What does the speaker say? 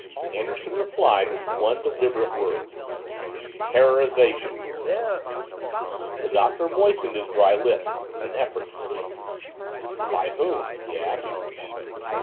Anderson replied with one deliberate word. "Terrorization," he said. The Doctor moistened his dry lips in an effort to speak. "By whom?" he asked.